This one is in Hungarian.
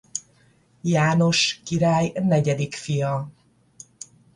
János király negyedik fia.